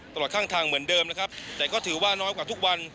ตลอดข้างทางเหมือนเดิมนะครับแต่ก็ถือว่าน้อยกว่าทุกวัน